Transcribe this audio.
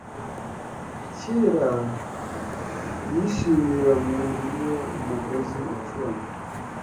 kera yishimiramuriwe Umugozi ucuramye